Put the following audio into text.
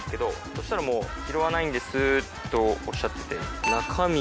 そしたらもう「拾わないんです」とおっしゃってて。